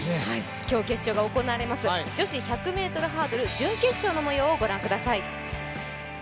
今日決勝が行われます、女子１００ｍハードル準決勝の模様をご覧ください。